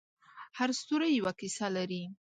هر ستوری یوه کیسه لري.